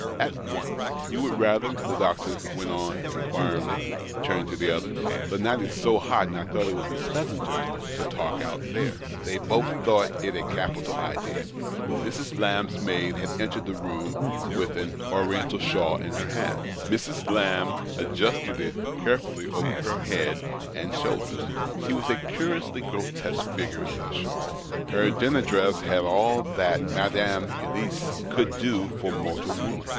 At once," " You would rather ?" the doctor went on inquiringly, turning to the others. " The nioht is so hot, and I thouo; ht it would be pleasanter to talk out there," They both thought it a capital idea, Mrs. Lamb's maid had entered the room, with an Oriental shawl in her hands, Mrs. Lamb adjusted it carefully over her head and shoulders. She was a curiously grotesque figure in that shawl. Her dinner dress had all that Madame EUice could do for mortal woman.